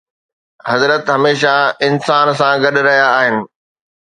حضرت هميشه انسان سان گڏ رهيا آهن